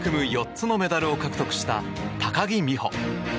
４つのメダルを獲得した高木美帆。